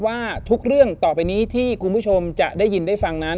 ว่าทุกเรื่องต่อไปนี้ที่คุณผู้ชมจะได้ยินได้ฟังนั้น